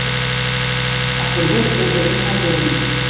Está por ver quen regresa á Coruña.